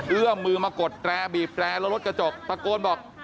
เอื้อมมือมากดแตรบีบแตรแล้วรถกระจกตะโกนบอก